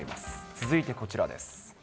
続いてこちらです。